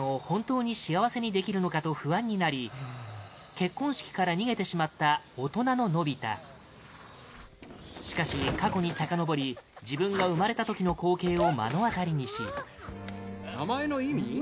結婚式から逃げてしまった大人の、のび太しかし、過去にさかのぼり自分が生まれた時の光景を目の当たりにしパパ：名前の意味？